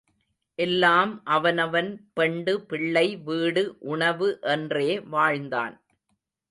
எல்லாம், அவனவன் பெண்டு, பிள்ளை, வீடு, உணவு என்றே வாழ்ந்தான்.